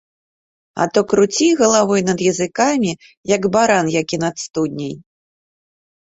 А то круці галавой над языкамі, як баран які над студняй.